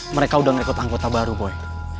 mereka udah ngikut angkota baru boy